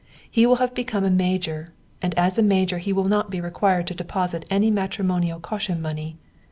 He will have become a major, and as major he will not be required to deposit any matrimonial caution money.